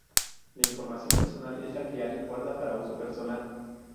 La información personal es la que alguien guarda para uso personal.